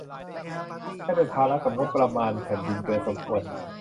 ไม่เป็นภาระกับงบประมาณแผ่นดินเกินสมควร